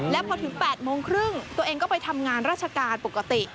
และพอถึง๘๓๐ตัวเองก็ไปทำงานราชการปกติ